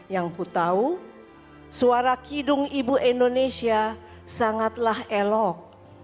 yang ku tahu suara kidung ibu indonesia sangatlah elok